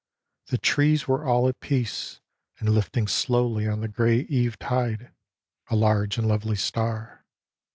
The trees were all at peace. And lifting slowly on the grey evetide A large and lovely star.